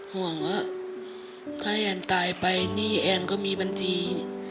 ห่วงว่าถ้าแอนตายไปหนี้แอนก็มีบัญชี